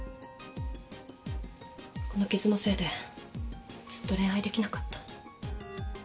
この傷のせいでずっと恋愛できなかった。